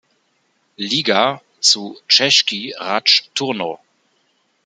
Liga zu Český ráj Turnov.